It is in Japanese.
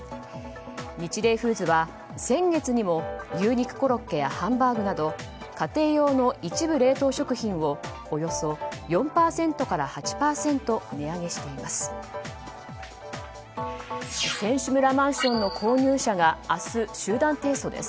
ニチレイフーズは先月にも牛肉コロッケやハンバーグなど家庭用の一部冷凍食品をおよそ４％から８％値上げしています。